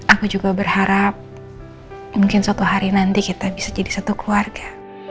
aku juga berharap mungkin suatu hari nanti kita bisa jadi satu keluarga